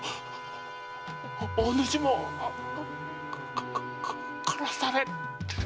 おぬしも殺される！